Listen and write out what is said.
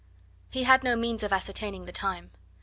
He had no means of ascertaining the time.